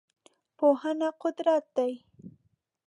پوهنه قدرت دی.